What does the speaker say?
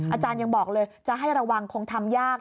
อาจารย์ยังบอกเลยจะให้ระวังคงทำยาก